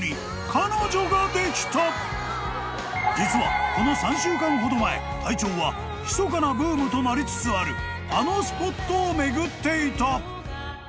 ［実はこの３週間ほど前隊長はひそかなブームとなりつつあるあのスポットを巡っていた］